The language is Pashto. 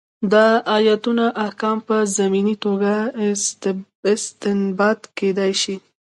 دا ایتونه احکام په ضمني توګه استنباط کېدای شي.